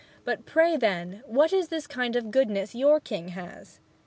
But pray, then, what is the kind of goodness your king has?"